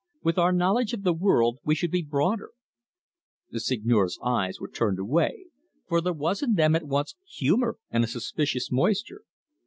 With our knowledge of the world we should be broader." The Seigneur's eyes were turned away, for there was in them at once humour and a suspicious moisture.